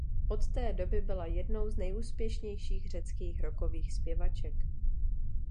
Od té doby byla jednou z nejúspěšnějších řeckých rockových zpěvaček.